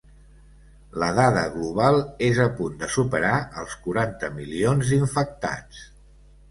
La dada global és a punt de superar els quaranta milions d’infectats.